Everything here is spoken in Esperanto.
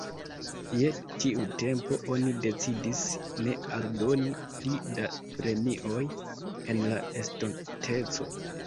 Je tiu tempo, oni decidis ne aldoni pli da premioj en la estonteco.